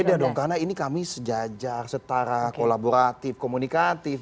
beda dong karena ini kami sejajar setara kolaboratif komunikatif